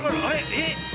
えっ？